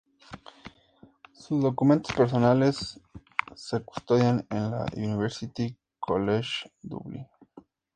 Sus documentos personales se custodian en la University College Dublin.